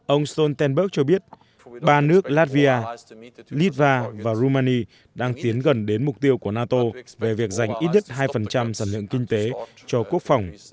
ông stoltenberg cho biết ba nước latvia litva và rumani đang tiến gần đến mục tiêu của nato về việc dành ít nhất hai sản lượng kinh tế cho quốc phòng